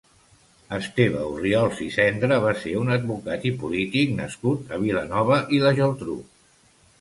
Esteve Orriols i Sendra va ser un advocat i polític nascut a Vilanova i la Geltrú.